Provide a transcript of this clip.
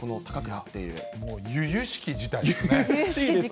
もうゆゆしき事態ですね。